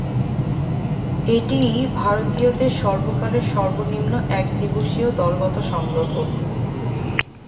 এটিই ভারতীয়দের সর্বকালের সর্বনিম্ন একদিবসীয় দলগত সংগ্রহ।